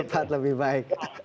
lebih cepat lebih baik